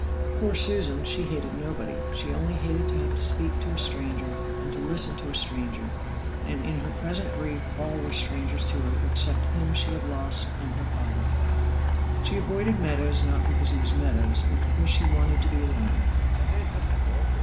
Poor Susan, she hated nobody, she only hated to have to speak to a stranger, and to listen to a stranger; and in her present grief all were strangers to her except him she had lost and her father. She avoided Meadows not because he was Meadows, but because she wanted to be alone.